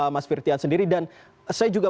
mas firtian sendiri dan saya juga